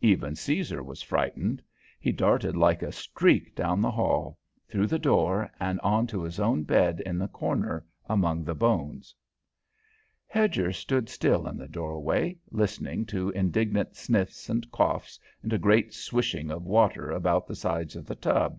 Even Caesar was frightened; he darted like a streak down the hall, through the door and to his own bed in the corner among the bones. Hedger stood still in the doorway, listening to indignant sniffs and coughs and a great swishing of water about the sides of the tub.